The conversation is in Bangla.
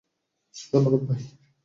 ধন্যবাদ, ভাই!